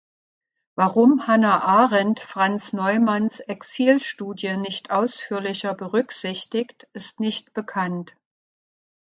Warum Hannah Arendt Franz Neumanns Exil-Studie nicht ausführlicher berücksichtigt, ist nicht bekannt.